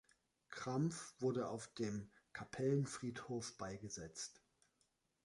Krampf wurde auf dem Kapellenfriedhof beigesetzt.